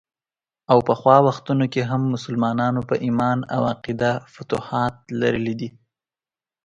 او پخوا وختونو کې هم مسلمانانو په ايمان او عقیده فتوحات لرلي دي.